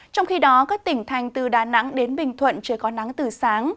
trong khi đó các tỉnh thành từ đà nẵng đến bình thuận trời có nắng từ sáng